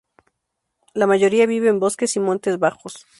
La mayoría vive en bosques y montes bajos.